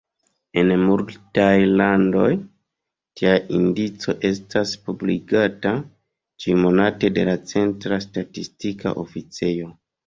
En multaj landoj, tia indico estas publikigata ĉiumonate de la centra statistika oficejo.